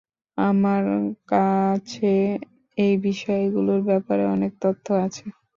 আমার কাছে এই বিয়েগুলোর ব্যাপারে অনেক তথ্য আছে।